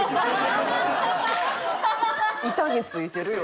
板に付いてるよ。